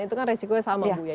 itu kan resikonya sama